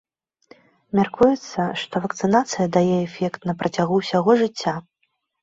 Мяркуецца, што вакцынацыя дае эфект на працягу ўсяго жыцця.